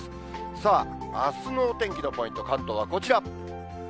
さあ、あすのお天気のポイント、関東はこちら。